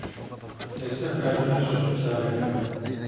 ئێستا کاتژمێر شەش و چارەگە.